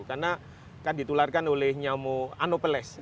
karena kan ditularkan oleh nyamu anopeles